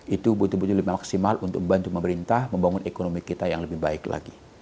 itu betul betul lebih maksimal untuk membantu pemerintah membangun ekonomi kita yang lebih baik lagi